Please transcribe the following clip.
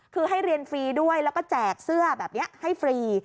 คือให้เรียนฟรีด้วยแล้วก็แจกเสื้อแบบนี้ให้ฟรี